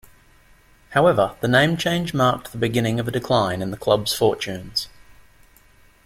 However the name change marked the beginning of a decline in the club's fortunes.